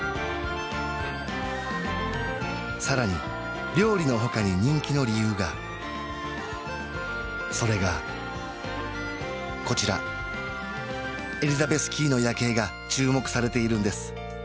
更に料理の他に人気の理由がそれがこちらエリザベスキーの夜景が注目されているんです